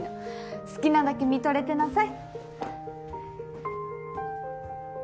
好きなだけ見とれてなさい。